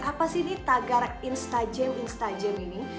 apa sih ini tagar instajam instajam ini